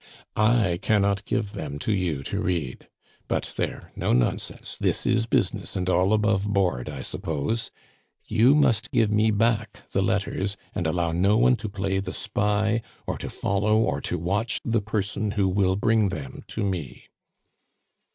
"I cannot give them to you to read. But, there; no nonsense; this is business and all above board, I suppose? You must give me back the letters, and allow no one to play the spy or to follow or to watch the person who will bring them to me."